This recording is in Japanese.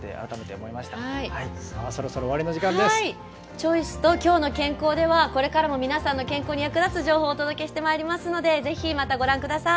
「チョイス」と「きょうの健康」ではこれからも皆さんの健康に役立つ情報をお届けしてまいりますのでぜひまたご覧ください。